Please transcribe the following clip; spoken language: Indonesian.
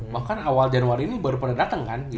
bahkan awal januari ini baru pernah dateng kan gitu